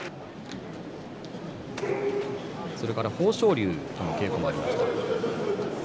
豊昇龍との稽古もありました。